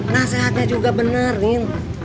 nasehatnya juga bener nin